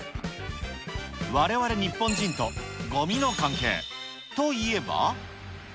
われわれ日本人とごみの関係といえば。